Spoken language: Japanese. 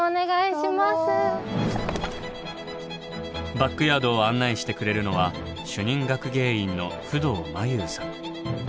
バックヤードを案内してくれるのは主任学芸員の不動真優さん。